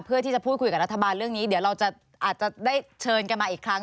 เพื่อที่จะพูดคุยกับรัฐบาลเรื่องนี้เดี๋ยวเราอาจจะได้เชิญกันมาอีกครั้ง